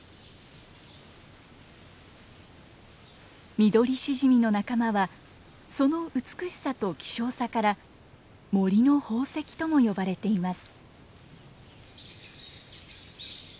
ミドリシジミの仲間はその美しさと希少さから森の宝石とも呼ばれています。